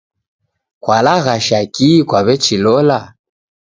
Kwalaghasha ki kwawechilola?